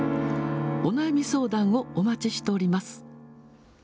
お悩み相談をお待ちしております。